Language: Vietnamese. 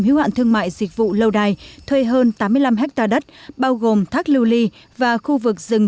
hữu hạn thương mại dịch vụ lâu đài thuê hơn tám mươi năm hectare đất bao gồm thác lưu ly và khu vực rừng